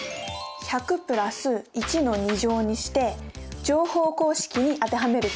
１００＋１の２乗にして乗法公式に当てはめると？